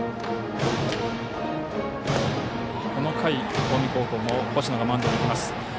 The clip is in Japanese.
この回、近江高校星野がマウンドにいきます。